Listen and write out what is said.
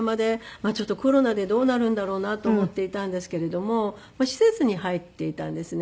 まあちょっとコロナでどうなるんだろうなと思っていたんですけれども施設に入っていたんですね